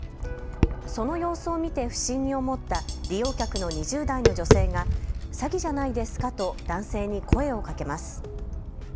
その様子を見て不審に思った利用客の２０代の女性が詐欺じゃないですかと男性に声をかけます。